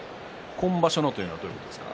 今場所というのはどういうことですか。